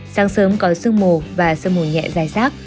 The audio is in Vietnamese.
sáng sớm có sương mù và sương mù nhẹ dài rác